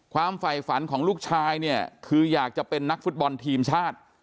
ความไฟฝันของลูกชายคืออยากจะเป็นนักฟุตบอลทีมชาติ